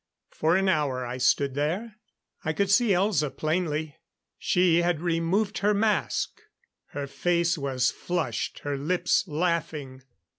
For an hour I stood there. I could see Elza plainly. She had removed her mask. Her face was flushed, her lips laughing.